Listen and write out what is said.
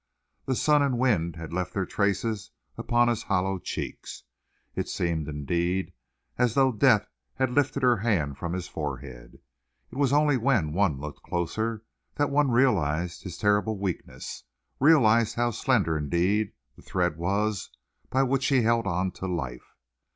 The sun and wind had left their traces upon his hollow cheeks. It seemed, indeed, as though Death had lifted her hand from his forehead. It was only when one looked closer that one realized his terrible weakness, realized how slender, indeed, the thread was by which he held on to life.